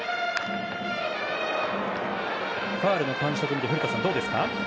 ファウルの感触を見て古田さん、いかがですか？